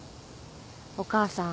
お母さん